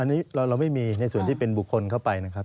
อันนี้เราไม่มีในส่วนที่เป็นบุคคลเข้าไปนะครับ